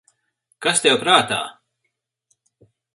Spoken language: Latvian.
Kas tev prātā?